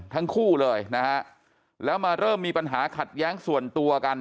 ทั้งคู่เลยนะฮะแล้วมาเริ่มมีปัญหาขัดแย้งส่วนตัวกัน